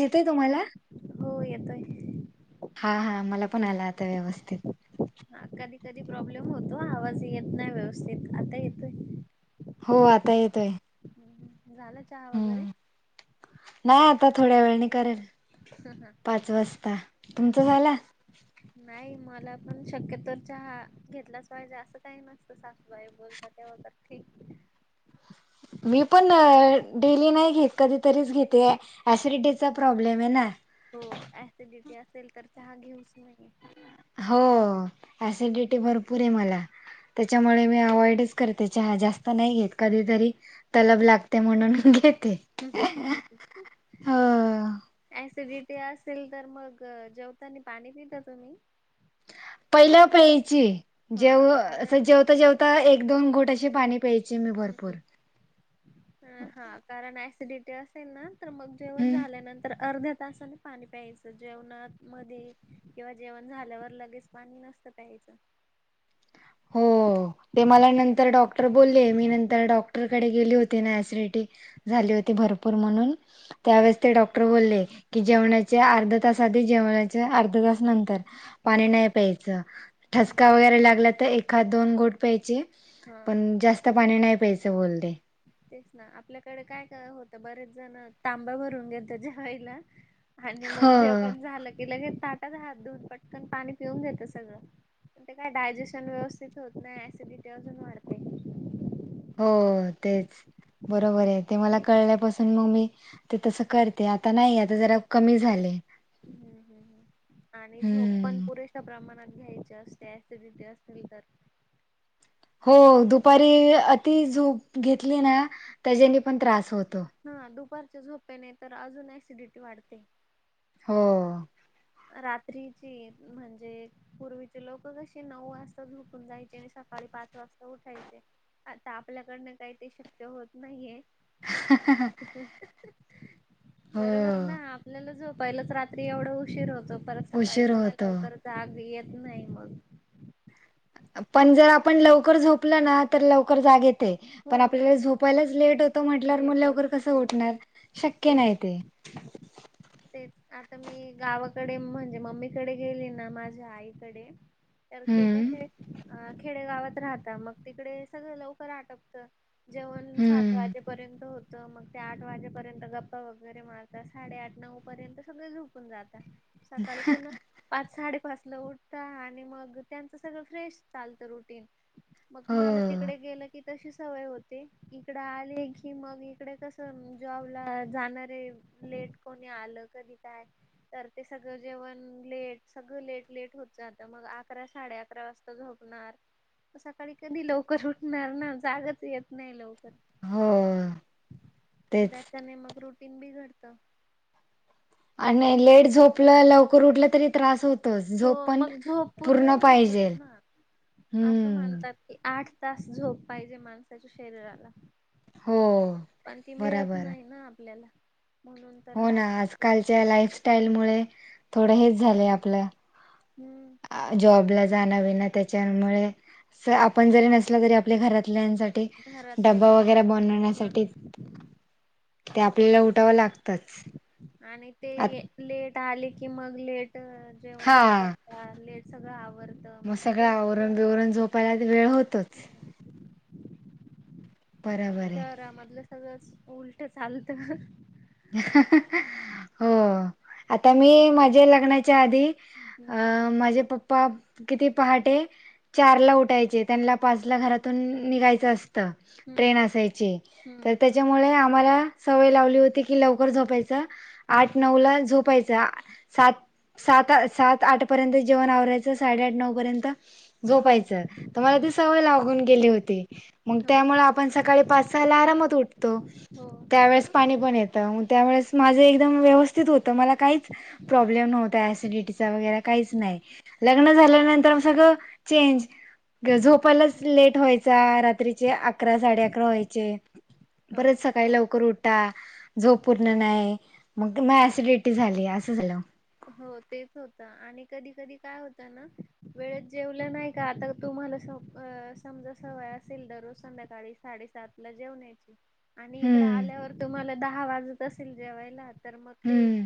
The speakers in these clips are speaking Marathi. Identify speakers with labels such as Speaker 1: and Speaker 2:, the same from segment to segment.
Speaker 1: येतय तुम्हाला
Speaker 2: हो येतोय
Speaker 1: हा हा मला पण आला आता व्यवस्थित.
Speaker 2: हा कधी कधी प्रॉब्लेम होतो आवाज येत नाही व्यवस्थित आता येतोय.
Speaker 1: हो आता येतय.
Speaker 2: झालं चहा वगैरे?
Speaker 1: नाय आता थोड्या वेळनी करेल.
Speaker 2: हम्
Speaker 1: पाच वाजता.
Speaker 2: हम
Speaker 1: तुमचा
Speaker 2: आच्छा.
Speaker 1: झाला?
Speaker 2: नाही मला पण शक्यतो चहा घेतलाच पाहिजे असं काही नसतं सासूबाई बोलतात. त्या वोलतात ठीक्.
Speaker 1: मी पण अ डेली नाही घेत कधीतरीच घेते ऍ ऍसिलीटीचा प्रॉब प्रॉब्लेमना. [unintelligible]
Speaker 2: हो ऍसिडिटी असेल तर चहा घेऊच नये.
Speaker 1: हो ऍसिडिटी भरपूर आहे मला. त्याच्यामुळे मी अवॉइडच करते चहा जास्त नाही घेत कधीतरी तलब लागते म्हणून घेते.
Speaker 2: हम हम हम हम हम हं.
Speaker 1: हो
Speaker 2: ऍसिडिटी आसेल तर मग अ जेवतानी पाणी पिता तुम्ही?
Speaker 1: पहिल् प्यायची
Speaker 2: हा
Speaker 1: जेव
Speaker 2: कारण
Speaker 1: असं जेवता जेवता एक दोन घोट अशे पाणी प्यायची ना भरपूर.
Speaker 2: हां हा कारण ऍसिडिटी असेल ना तर मग जेवण
Speaker 1: हम्म
Speaker 2: झाल्यानंतर अर्ध्या तासाने पाणी प्यायचं जेवणा मध्ये किंवा जेवण झाल्यावर लगेच पाणी नसतं प्यायचं.
Speaker 1: हो. ते मला नंतर डॉक्टर बोलले मी नंतर डॉक्टरकडे गेले होते ना ऍसलीटी झाली होती भरपूर म्हणून
Speaker 2: हम्म
Speaker 1: त्यावेळेस ते डॉक्टर बोलले की जेवणाच्या आर्धा तास आधी जेवणाच्या आर्धा तास नंतर पाणी
Speaker 2: हो.
Speaker 1: नाही प्यायचं ठसका वगैरे लागला तर, एकात दोन घोट प्यायचे.
Speaker 2: हा
Speaker 1: पण जास्त पाणी नाही प्यायचं बोलते.
Speaker 2: तेच ना, आपल्याकडे काय काय होतं बरेच जण, तांब्या भरून घेतात जेवायला. आणि
Speaker 1: हो
Speaker 2: मग जेवन झालं की लगे, ताटात हात धुवून पटकन पाणी पिऊन घेतात सगळं. पण ते काय डायजेशन व्यवस्थित होत नाही, ऍसिडिटी अजून वाढते.
Speaker 1: हो हो तेच
Speaker 2: हम्म
Speaker 1: बरोबर आहे. ते मला कळल्यापासून मग मी ते तस करते. आता नाही आता जरा कमी झाले.
Speaker 2: आणि झोप पण
Speaker 1: हम्म
Speaker 2: पुरे शा प्रमाणात घ्यायची असते. ऍसिडिटी असेल तर
Speaker 1: हो दुपारी अति झूप घेतली ना, त्याच्यानी पण त्रास होतो.
Speaker 2: हा दुपारच्या झोपेने तर अजून ऍसिडिटी वाढते.
Speaker 1: हो ओ.
Speaker 2: रात्रीची म्हणजे पूर्वीचे लोक कशी नऊ वाजता झोपून जायची? आणि सकाळी पाच वास्था उठायचे आता आपल्याकडनं काय ते शक्य होत नाईये. [unintelligible]
Speaker 1: हो
Speaker 2: बरोबर ना, आपल्याला जो पहिलंच राहत रात्री एवढा उशीर होतो, परत सकाळी
Speaker 1: उशीर
Speaker 2: एवढं
Speaker 1: होतो
Speaker 2: लवकर जाग येत नाही मग
Speaker 1: पण जर आपण लवकर झोपलो ना, तर लवकर जाग येते
Speaker 2: हो
Speaker 1: पण आपल्याला झोप झोपायलाच लेट होतो, म्हटल्यावर मग
Speaker 2: लेट
Speaker 1: लवकर
Speaker 2: होत
Speaker 1: कसं उठणार? शक्य नाही ते.
Speaker 2: हम् हम. [unintelligible] तेच आता मी गावाकडे म्हणजे मम्मीकडे, गेली ना माझ्या आईकडे. तर ते
Speaker 1: हम्म
Speaker 2: कसे अ खेडेगावात राहता, मग तिकडे सगळं लवकर आटपत. जेवन सात
Speaker 1: हम्म
Speaker 2: वाज ता होत. मग ते आठ वाजेपर्यंत गप्पा वगैरे मारतात. साडेआठ नऊ पर्यंत सगळे झोपूण जातात. सकाळी पुन्हा पाच साडेपाच ला उठता आणि मग त्यांचं सगळं फ्रेश चालतं रुटीन मग
Speaker 1: हो
Speaker 2: मला तिकडे गेलं की, तशी सवय होते इकड आल. ले की, मग इकडे कस जॉब ला जाणार ए लेट कोणी आलं कधी काय? तर ते सगळं जेवण लेट, सगळं लेट लेट होत जातं, मग अकरा साडे अकरा वाजता झोपणार सकाळी कधी लवकर उठणार ना? जागच येत नाही लवकर.
Speaker 1: हो अ.
Speaker 2: त्याच्याने मग रुटीन बीघडतं.
Speaker 1: आणि लेट झोपलं, लवकर उठलं, तरी त्रास होत.
Speaker 2: हो मग झोप पूर्ण नाई होत
Speaker 1: पाहिजे
Speaker 2: ना आसं
Speaker 1: हम्म
Speaker 2: म्हणतात. आठ तास झोप पाहिजे, माणसाच्या शरीराला
Speaker 1: हो
Speaker 2: पण ती मिळत
Speaker 1: बराबर
Speaker 2: नाही ना आपल्याला म्हणून तर
Speaker 1: हो
Speaker 2: हा
Speaker 1: ना,
Speaker 2: त्रास होतो
Speaker 1: आजकालच्या लाईफस्टाईल मुळे थोडं हेच झालंय आपलं
Speaker 2: हम्म.
Speaker 1: जॉबला जाण बिना त्याच्यामुळे कस आपण जरी नसलो, तरी आपल्या घरातल्यासाठी ते
Speaker 2: घरातले
Speaker 1: डबा
Speaker 2: जा
Speaker 1: वगैरे
Speaker 2: हो ना
Speaker 1: बनवण्यासाठी ते आपल्याला उठावं लागतंच.
Speaker 2: आणि ते लेट आले की मग लेट अ जेवण
Speaker 1: हा
Speaker 2: करता लेट, सगळं आवरत मग
Speaker 1: सगळं
Speaker 2: ते
Speaker 1: आवरून
Speaker 2: सगळ.
Speaker 1: बिवरून झोपायला वेळ होतोच बरोबर आहे
Speaker 2: शहरामधलं सगळंच उलट चालतं.
Speaker 1: [unintelligible] हो आता मी माझ लग्नाच्या आधी
Speaker 2: हम्म
Speaker 1: अं माझे पप्पा किती पहाटे चार ला उठायचे, त्यांना पाच ला घरातून निघायचं असत.
Speaker 2: हम्म
Speaker 1: ट्रेन असायची,
Speaker 2: हम्म
Speaker 1: तर त्याच्यामुळे आम्हाला सवय लावली होती, की लव कर झोपायच,
Speaker 2: हम्म
Speaker 1: आठ नऊ ला झोपायच. सात सात सात आठ पर्यंत जेवण आवरायचं, साडेआठ नऊ पर्यंत झोपायचं, तर मला ती
Speaker 2: हम्म
Speaker 1: सवय लागून गेली होती. मग
Speaker 2: हो
Speaker 1: त्यामुळे आपण सकाळी पाच सहा ला आरामात उठतो
Speaker 2: हो
Speaker 1: त्यावेळेस पाणी पण ये ग त्यावेळेस माझे एकदम व्यवस् स्थित होत मला काही प्रॉब्लेम नव्हता ऍसिडिटीचा वगेरे काहीच
Speaker 2: हम्म
Speaker 1: नाही. लग्न झाल्यानंतर न सगळं चेंज व्हय झोपायलाच
Speaker 2: हम्म
Speaker 1: लेट व्हायचा रात्रीचे अकरा साडे अकरा व्हायचे.
Speaker 2: हो
Speaker 1: परत सकाळी लवकर उठा झोप पूर्ण नाही. मग ना ऍसिडिटी झाली असं झालं.
Speaker 2: हो तेच होत आणि कधी कधी काय होत ना वेळेत जेवलं नाय का आता तुम्हाला सप अ समजा सवय असेल दररोज संध्याकाळी साडेसात ला जेवण्याची आणि इकडं
Speaker 1: हम्म
Speaker 2: आल्यावर तुम्हाला दहा वाजत असेल जेवायला तर मग ते
Speaker 1: हम्म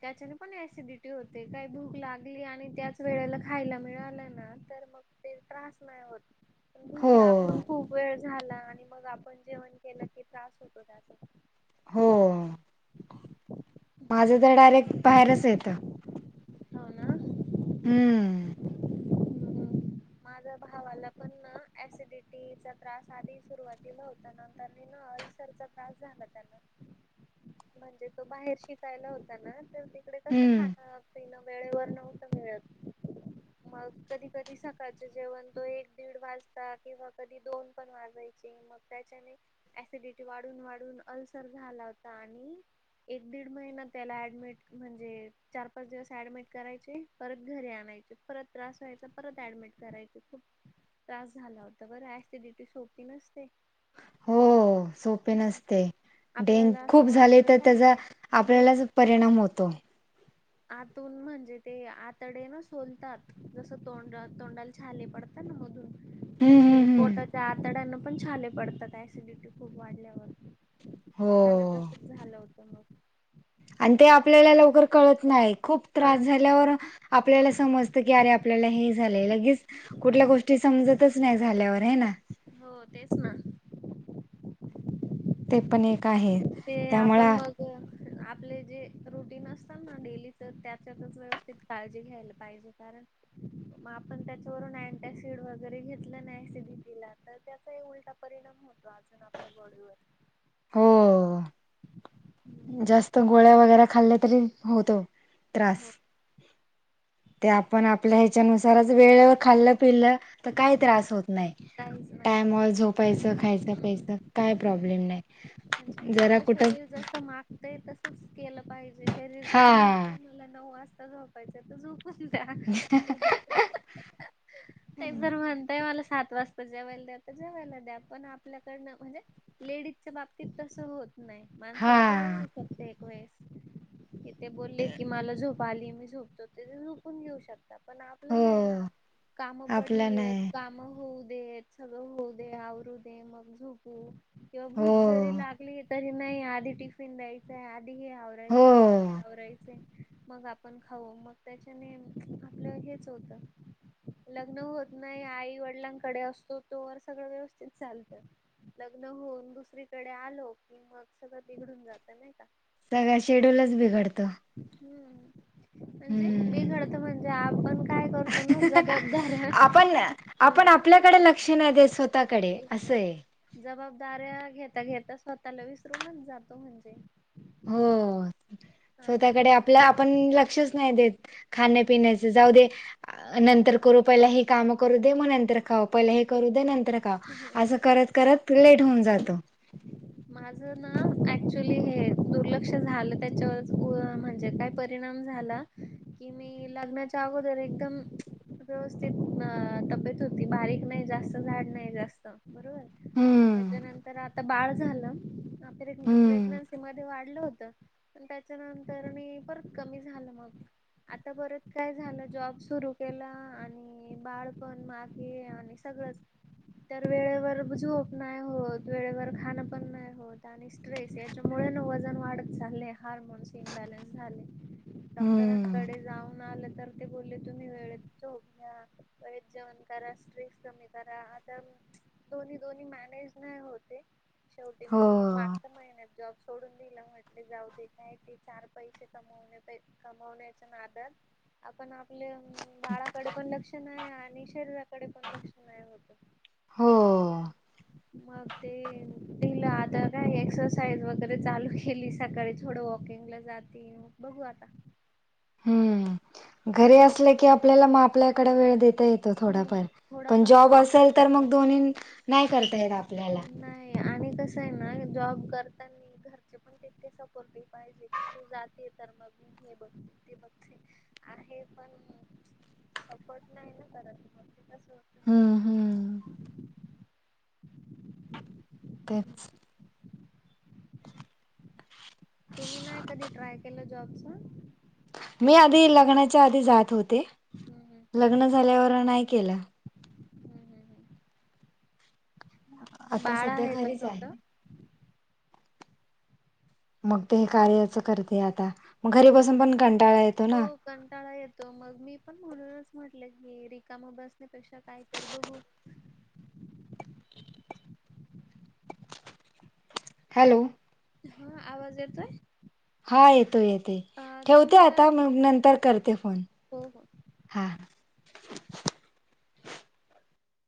Speaker 2: त्याच्या पण एसिडिटी होते काही भूक लागली आणि त्याच वेळेला खायला मिळालं ना तर मग ते त्रास नाही होत.
Speaker 1: हो
Speaker 2: भूक लागून खूप वेळ झाला आणि मग आपण जेवण केलं की त्रास होतो त्याचा
Speaker 1: हो! माझं
Speaker 2: हम्म
Speaker 1: तर डायरेक्ट बाहेरच येतं.
Speaker 2: हो ना!
Speaker 1: हम्म!
Speaker 2: माझा भावाला पण एसिडिटीचा त्रास आधी सुरवातीला होता नंतर ना नंतर त्रास झाला त्याला म्हणजे तो बाहेर शिकायला होता ना तर तिकडे कसं
Speaker 1: हम्म
Speaker 2: खाण पिण वेळेवर नव्हत मिळत मग कधी कधी सका त्याचे जेवण ते एक दीड वाजता किंवा कधी दोन पण वाजायचे मग त्याच्याने एसिडिटी वाढून वाढून अल्सर झाला होता आणि एक दीड महिना त्याला ॲडमिट म्हणजे चार पाच दिवस ॲडमिट करायचे परत घरी आणायचे परत त्रास व्हायचा परत ऍडमिट करायच खूप त्रास झाला होता बरं ऍसिडिटी सोपी नसते
Speaker 1: हो सोपी नसते. डेंक
Speaker 2: आपल्याला
Speaker 1: खूप
Speaker 2: असं
Speaker 1: झाले
Speaker 2: वाटत
Speaker 1: तर
Speaker 2: काय
Speaker 1: त्याचा
Speaker 2: नाही हो
Speaker 1: आपल्यालाच परिणाम होतो.
Speaker 2: आतून म्हणजे ते आतडे ना सोलतात जसं तोंड तोंडाला छाले पडतात ना मधून
Speaker 1: हम्म हम्म
Speaker 2: तसे
Speaker 1: हम्म
Speaker 2: पोटाच्या आतड्यांना पण छाले पडतात. एसिडीटी खूप वाढल्यावरती
Speaker 1: हो!
Speaker 2: त्याला तसच झालं होतं मग
Speaker 1: आणि ते आपल्याला लवकर कळत नाही खूप त्रास
Speaker 2: कळत नाही
Speaker 1: झाल्यावर आपल्याला समज त की अरे आपल्याला हे झाल्याल लगेच कुठल्या गोष्टी समजतच नाही झाल्यावर व्हय ना.
Speaker 2: हो तेच ना!
Speaker 1: ते पण एक आहे!
Speaker 2: ते
Speaker 1: त्यामुळे
Speaker 2: आपण मग आपले जे रुटीन असतात ना डेलीच त्याच्यातच व्यवस्थित काळजी घ्यायला पाहिजे कारण मग आपण त्याच्यावरून अँटसिड वगैरे घेतलं ना एसिडिटीला तर त्याचाही उलटा परिणाम होत अजून आपल्या बॉडीवर
Speaker 1: हो जास्त गोळ्या वगेरे खाल्ल्या तरी होतो. त्रास!
Speaker 2: हो.
Speaker 1: ते आपण आपल्या ह्याच्यानुसारच वेळेवर खाल्लं पिलं तर काही
Speaker 2: हम्म
Speaker 1: त्रास होत नाही
Speaker 2: काहीच नाही
Speaker 1: टाइमाव झोपायचं खायचं
Speaker 2: होत
Speaker 1: प्यायच काय प्रॉब्लेम नाही.
Speaker 2: म्हणजे
Speaker 1: जरा
Speaker 2: आपलं
Speaker 1: कुठं
Speaker 2: शरीर जास्त मा ते तसच केलं पाहिजे शरीर
Speaker 1: हा
Speaker 2: जर म्हणत मला नऊ वाजता झोपायच तर झु [inaudible] ते जर म्हणतय मला सात वाजता जेवायला द्या तर जेवायला द्या पण आपल्याकडनं म्हणजे लेडीजच्या बाबतीत तसं होत नाही.
Speaker 1: हा
Speaker 2: माणसांचं होऊ शकत एक वेळेस. कि ते बोलले की, मला झोप आली. मी झोपतो. ते झोपून घेऊ शक ता. पण आपलं
Speaker 1: हो
Speaker 2: नाही ना, काम
Speaker 1: आपला
Speaker 2: पडलीयेत.
Speaker 1: नाही
Speaker 2: कामं होऊ देत. सगळं होऊ दे. आवरू दे. मग झोपू किंवा
Speaker 1: हो
Speaker 2: भूक जरी लागली तरी नाही. आधी टिफिन द्यायचाय. आधी हे
Speaker 1: हो
Speaker 2: आवरायचं. आधी हे आवरायचंय. मग आपण खाऊ. मग त्याच्याने आपलं हेच होतं. लग्न होत नाही. आई वडिलांकडे असतो, तोवर सगळं व्यवस्थित चालतं. लग्न होऊन दुसरीकडे आलो की, मग सगळं बिघडून जातं. नाही का.
Speaker 1: सगळा शेड्यूलच बिघडतो.
Speaker 2: हम्म. म्हणजे
Speaker 1: हम्म
Speaker 2: बिघडत, म्हणजे आपण काय करतो ना, जबाबदाऱ्या
Speaker 1: आपण आपण आपल्याकडे लक्ष नाही देसत.
Speaker 2: तेच ना. जबाबदाऱ्या घेता -घेता स्वतःला विसरूनच जातो, म्हणजे.
Speaker 1: हो.
Speaker 2: आणि
Speaker 1: स्वतःकडे
Speaker 2: मग
Speaker 1: आपलं, आपण लक्षच नाही देत. खाण्यापिण्याचे जाऊ दे. आ नंतर करू, पहिला हे काम करू दे. मग नंतर खाऊ. पहिलं हे करू दे नंतर का. असं करत -करत लेट होऊन जातं.
Speaker 2: माझ ना, ऍक्च्युली हे दुर्लक्ष झालं. त्याच्यावरच उ म्हणजे का पर परीणाम झाला. कि मी लग्नाच्या अगोदर एकदम व्यवस्थित अ तब्येत होती. बारीक नाही, जास्त जाड नाही. जास्त हं, बरोबर.
Speaker 1: हम्म
Speaker 2: त्याच्यानंतर आता बाळ झालं. प्रेग्नं
Speaker 1: हम्म,
Speaker 2: -प्रेग्नन्सी मध्ये वाढलं होतं. पण, त्याच्यानंतर मी, परत कमी झालं मग. आता परत काय झालं? जॉब सुरू केला आणि आणि बाळपण मागे आणि सगळंच तर वेळेवर झोप नाही होत. वेळेवर खाण पण नाही होत. आणि स्ट्रेस याच्यामुळे ना, वजन वाढत चाललंय. हार्मोन्स इम्बॅलन्स झाले.
Speaker 1: हम्म,
Speaker 2: डॉक्टरांकडे जाऊन आलं तर ते बोलले तुम्ही वेळेत झोप घ्या. वेळेत जेवण करा. स्ट्रेस कमी करा. आता दोन्हाय दोन्ही मॅनेज नाही होते. शेवटी
Speaker 1: हो,
Speaker 2: मी माग महिन्यात जॉब सोडून दिलं. म्हटले जाऊ दे, काय ते चार पैसे कमवणे पे कमवण्याच्या नादात आपण आपले [unintelligible] बाळाकडे पण लक्ष नाही आणि शरीराकडे पण लक्ष नाही होत.
Speaker 1: हो.
Speaker 2: मग ते दिलं. आता काय, एक्सरसाइज वगैरे चालू केली. सकाळी थोडं वॉकिंगला जाती. मग, बघू आता.
Speaker 1: हम्म. घरी असले की, आपल्याला मा आपल्याकडे वेळ देता येत तो थोडाफार.
Speaker 2: हम्म थोडा
Speaker 1: पण
Speaker 2: का
Speaker 1: जॉब
Speaker 2: होईना
Speaker 1: असेल
Speaker 2: करतो
Speaker 1: तर
Speaker 2: आपण
Speaker 1: मग दोन्ही, नाही करता येत आपल्याला.
Speaker 2: ह. आणि कसय ना, जॉब करतानी घरचे पण तितके सपोर्टिंग पाहिजे की, तू जाते तर मग, मी हे बघते ते बघते. आहे पण, सपोर्ट नाही ना करत. असं होतं.
Speaker 1: हम्म,
Speaker 2: नको
Speaker 1: हम्. तेच.
Speaker 2: तुम्ही नाही कधी ट्राय केलं, जॉबच.
Speaker 1: मी आधी, लग्नाच्या आधी जात होते.
Speaker 2: हम्, हम्.
Speaker 1: लग्न झाल्यावर नाही केलं आता
Speaker 2: बाळ
Speaker 1: सध्या
Speaker 2: आहे का
Speaker 1: घरीच
Speaker 2: छोट
Speaker 1: मग ते हे कार्यच करते आता मग
Speaker 2: हम्म.
Speaker 1: घरी बसून पण कंटाळा येतो
Speaker 2: हो
Speaker 1: ना
Speaker 2: कंटाळा येतो मग मी पण म्हणूनच म्हटलं की रिकामा बसण्यापेक्षा कायतरी बघू
Speaker 1: हॅलो
Speaker 2: हा आवाज येतोय
Speaker 1: हा येतो येतो
Speaker 2: अ,
Speaker 1: ठेवते
Speaker 2: तुम्ही करा
Speaker 1: आता मग
Speaker 2: तिकड
Speaker 1: नंतर करते फोन
Speaker 2: हो हो
Speaker 1: हा